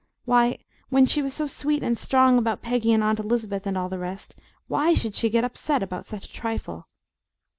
Why, when she was so sweet and strong about Peggy and Aunt Elizabeth and all the rest of it, WHY should she get upset about such a trifle?